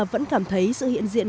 vẫn cảm thấy sự hiện diện